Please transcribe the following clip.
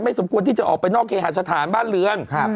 สมควรที่จะออกไปนอกเคหาสถานบ้านเรือน